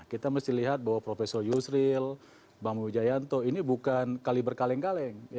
kita mesti lihat bahwa profesor yusril bambang wijayanto ini bukan kali berkaleng kaleng